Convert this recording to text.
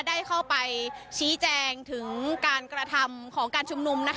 ได้เข้าไปชี้แจงถึงการกระทำของการชุมนุม